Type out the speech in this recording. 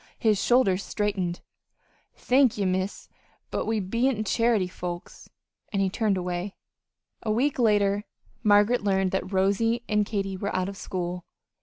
His shoulders straightened. "Thank ye, Miss. We be n't charity folks." And he turned away. A week later Margaret learned that Rosy and Katy were out of school.